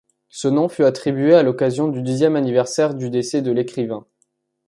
Ce nom fut attribué à l’occasion du dixième anniversaire du décès de l’écrivain.